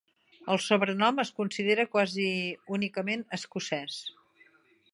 El sobrenom es considera quasi únicament escocès.